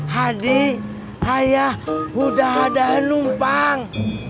hadi ayah udah ada numpang